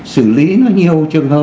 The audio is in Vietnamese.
sử lý nó nhiều